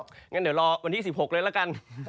งั้นเดี๋ยวรอวันที่๑๖เลยละกัน